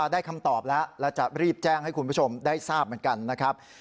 ได้คำตอบแล้วแล้วจะรีบแจ้งให้คุณผู้ชมได้ทราบเหมือนกันนะครับ